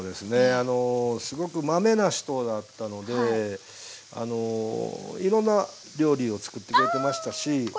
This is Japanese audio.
あのすごくまめな人だったのでいろんな料理をつくってくれてましたし。ああこちら佐渡さん！